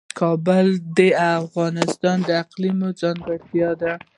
کابل د افغانستان د اقلیم ځانګړتیا ده.